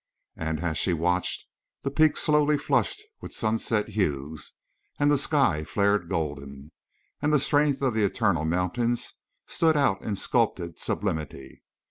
And as she watched, the peaks slowly flushed with sunset hues, and the sky flared golden, and the strength of the eternal mountains stood out in sculptured sublimity.